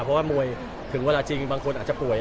เพราะว่ามวยถึงเวลาจริงบางคนอาจจะป่วย